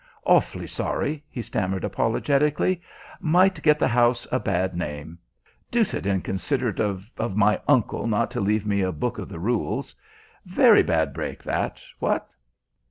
"Awfully sorry," he stammered apologetically. "Might get the house a bad name. Deuced inconsiderate of of my uncle not to leave me a book of the rules. Very bad break, that what?"